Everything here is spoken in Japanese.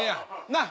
なっ